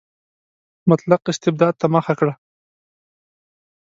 مطلق استبداد ته مخه کړه.